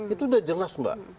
itu sudah jelas mbak